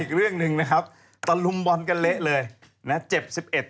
อีกเรื่องหนึ่งนะครับตะลุมบอลกันเละเลยนะเจ็บสิบเอ็ด